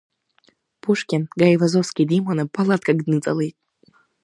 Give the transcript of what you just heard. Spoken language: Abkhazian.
Пушкин, Гаивазовски диманы, палаткак дныҵалеит.